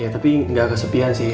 ya tapi gak kesepian sih